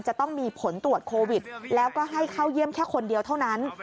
จะต้องมีผลตรวจโควิดแล้วก็ให้เข้าเยี่ยมแค่คนเดียวเท่านั้น